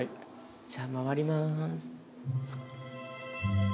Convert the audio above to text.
じゃあ回ります。